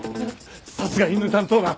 さすが犬担当だ！